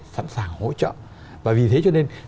sẵn sàng hỗ trợ và vì thế cho nên